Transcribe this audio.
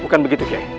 bukan begitu kiai